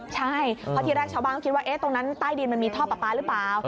ใช่เพราะที่แรกชาวบ้านก็คิดว่าตรงนั้นใต้ดินมันมีท่อปลาปลาหรือเปล่า